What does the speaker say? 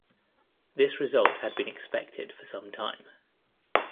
This result had been expected for some time.